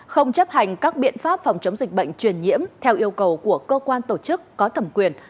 không chấp hành các biện pháp phòng chống dịch bệnh truyền nhiễm theo yêu cầu của cơ quan tổ chức có thẩm quyền